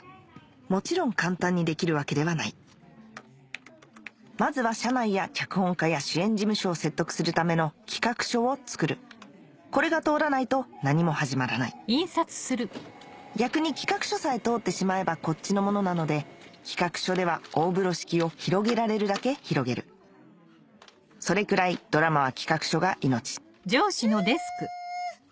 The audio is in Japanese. もちろん簡単にできるわけではないまずは社内や脚本家や主演事務所を説得するための企画書を作るこれが通らないと何も始まらない逆に企画書さえ通ってしまえばこっちのものなので企画書では大風呂敷を広げられるだけ広げるそれくらいドラマは企画書が命え！